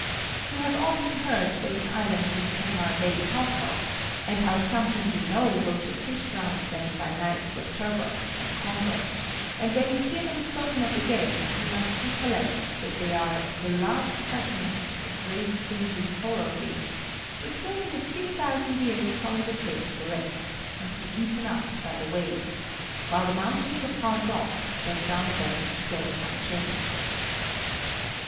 You have often heard those islands in Kenmare Bay talked of, and how some whom you know go to fish round them by night for turbot and conger; and when you hear them spoken of again, you must recollect that they are the last fragments of a great fringing coral reef, which will in a few thousand years follow the fate of the rest, and be eaten up by the waves, while the mountains of hard rock stand round them still unchanged.